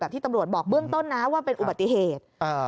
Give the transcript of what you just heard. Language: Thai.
ที่ตำรวจบอกเบื้องต้นนะว่าเป็นอุบัติเหตุ